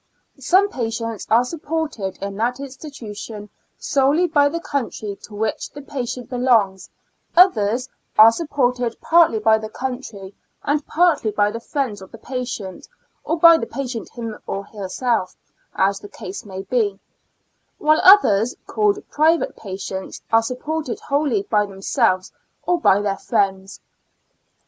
Some patients are supported in that institution solely by the county to which the patient belongs ; others are supported partly by the county and partly by the friends of the patient, or by the patient himself or herself, as the case may be ; while others, called private patients, are supported wholly by themselves or by their friends.